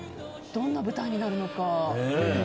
どんな舞台になるのか。